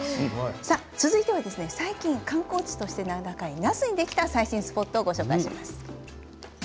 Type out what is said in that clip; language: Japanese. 続いて最近観光地として名高い那須にできた最新スポットです。